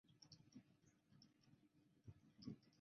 它是在原有的左翼政党联盟人民大会的基础上组建。